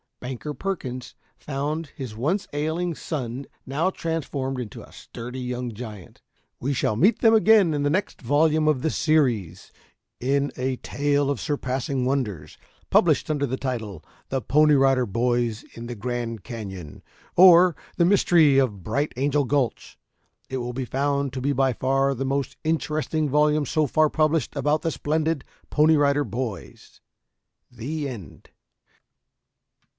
Banker Perkins found his once ailing son now transformed into a sturdy young giant. We shall meet them again in the next volume of this series in a tale of surpassing wonders published under the title: "THE PONY RIDER BOYS IN THE GRAND CANYON; Or, the Mystery of Bright Angel Gulch." It will be found to be by far the most interesting volume so far published about the splendid Pony Rider Boys. The End.